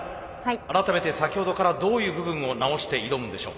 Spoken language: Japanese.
改めて先ほどからどういう部分を直して挑むんでしょう？